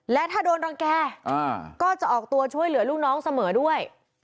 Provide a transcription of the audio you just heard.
และถ้าโดนรังแก่ก็จะออกตัวช่วยเหลือลูกน้องเสมอด้วย